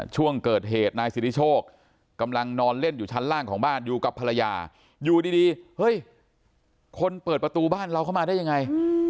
ช่วงเกิดเหตุนายสิทธิโชคกำลังนอนเล่นอยู่ชั้นล่างของบ้านอยู่กับภรรยาอยู่ดีเฮ้ยคนเปิดประตูบ้านเราเข้ามาได้ยังไง